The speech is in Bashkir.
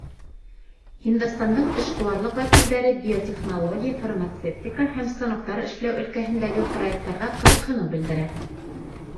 Һиндостандың эшҡыуарлыҡ вәкилдәре биотехнология, фармацевтика һәм станоктар эшләү өлкәһендәге проекттарға ҡыҙыҡһыныу белдерә.